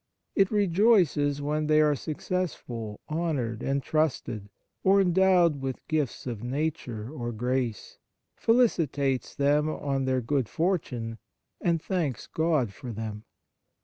it rejoices when they are successful, honoured, and trusted, or endowed with gifts of nature or grace, felicitates them on their good fortune, and thanks God for them.